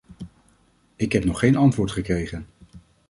Ik heb nog geen antwoord gekregen.